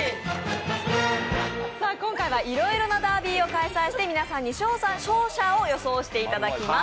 今回は、いろいろなダービーを開催して皆さんに勝者を予想していただきます。